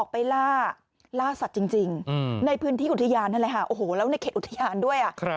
ไปล่าล่าสัตว์จริงในพื้นที่อุทยานแล้วในเขตอุทยานด้วย